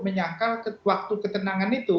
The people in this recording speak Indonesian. menyangkal waktu ketenangan itu